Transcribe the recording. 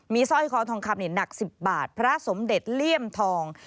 สร้อยคอทองคำหนัก๑๐บาทพระสมเด็จเลี่ยมทอง